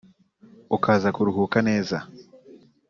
ukaza kuruhuka neza